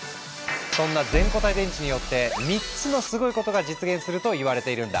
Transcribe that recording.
そんな全固体電池によって３つのすごいことが実現するといわれているんだ。